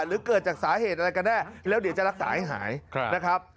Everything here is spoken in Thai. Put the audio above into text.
หรือเกิดจากสาเหตุอะไรกันแน่แล้วเดี๋ยวจะรักษาให้หายนะครับ